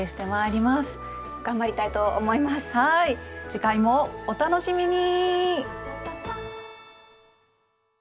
次回もお楽しみに！